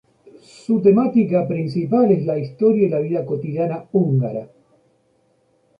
Su temática principal es la historia y la vida cotidiana húngara.